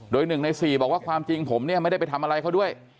โดย๑ใน๔บอกว่าความจริงผมเนี่ยไม่ได้ไปทำอะไรเขาด้วย